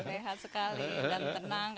sehat sekali dan tenang